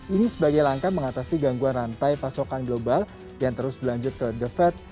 ini sebagai langkah mengatasi gangguan rantai pasokan global yang terus berlanjut ke the fed